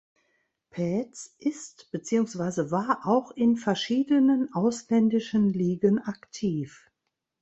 Pähtz ist beziehungsweise war auch in verschiedenen ausländischen Ligen aktiv.